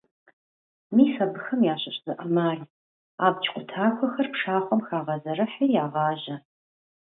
Мис абыхэм ящыщ зы Ӏэмал: Абдж къутахуэхэр пшахъуэм хагъэзэрыхьри ягъажьэ.